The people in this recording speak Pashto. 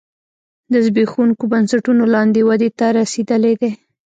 د زبېښونکو بنسټونو لاندې ودې ته رسېدلی دی